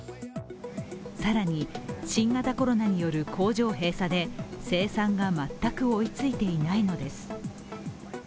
更に、新型コロナによる工場閉鎖で生産が全く追いついていないのです。